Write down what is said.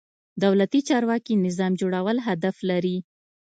دولتي چارواکي نظام جوړول هدف لري.